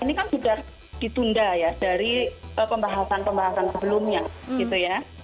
ini kan sudah ditunda ya dari pembahasan pembahasan sebelumnya gitu ya